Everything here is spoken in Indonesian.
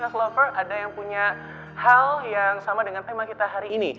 developer ada yang punya hal yang sama dengan tema kita hari ini